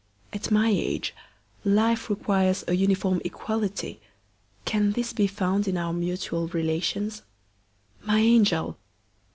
At my age, life requires a uniform equality; can this be found in our mutual relations? My angel!